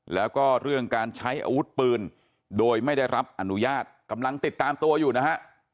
แล้วก็เรื่องการใช้อาวุธปืนโดยไม่ได้รับอนุญาตกำลังติดตามตัวอยู่นะฮะ